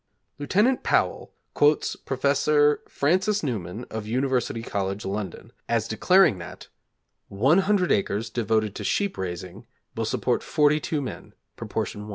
Lieut. Powell quotes Prof. Francis Newman of University College, London, as declaring that 100 acres devoted to sheep raising will support 42 men: proportion 1.